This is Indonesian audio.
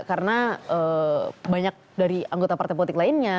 karena banyak dari anggota partai politik lainnya